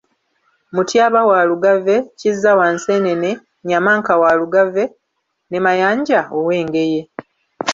Mutyaba wa Lugave, Kizza wa Nseenene, Nnyamanka wa Lugave, ne Mayanja ow'Engeye.